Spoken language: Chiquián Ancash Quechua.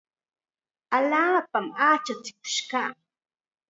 Allaapam achachikush kaa.